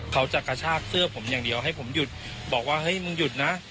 กระชากเสื้อผมอย่างเดียวให้ผมหยุดบอกว่าเฮ้ยมึงหยุดนะ